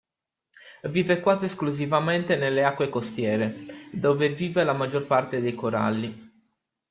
Vive quasi esclusivamente nelle acque costiere, dove vive la maggior parte dei coralli.